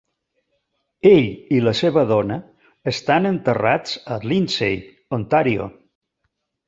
Ell i la seva dona estan enterrats a Lindsay, Ontario.